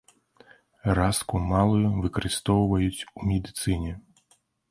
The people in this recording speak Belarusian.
Раску малую выкарыстоўваюць у медыцыне.